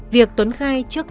việc tuấn khai trước